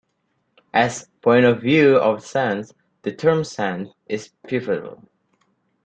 As "point of view of the Sants", the term "Sant" is pivotal.